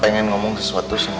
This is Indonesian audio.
jangan terlalu kerasnya ya hmm